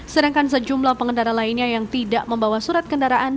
sedangkan sejumlah pengendara lainnya yang tidak membawa surat kendaraan